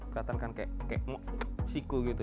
kelihatan kan kayak siku gitu